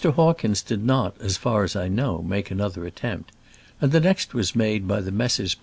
Hawkins did not, as far as I know, make another attempt ; and the next was made by the Messrs.